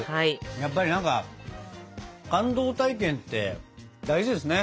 やっぱり何か感動体験って大事ですね。